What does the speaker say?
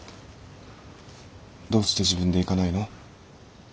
どうして自分で行かないの？